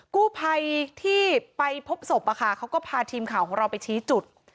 กู้ภัยที่ไปพบศพเขาก็พาทีมข่าวของเราไปชี้จุด